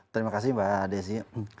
terima kasih mbak desi